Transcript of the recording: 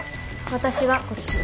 私はこっち。